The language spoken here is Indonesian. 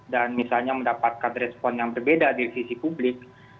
dan misalnya mendapatkan respon yang berbeda dari sisi publik